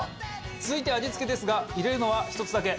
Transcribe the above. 続いて味付けですが入れるのは１つだけ。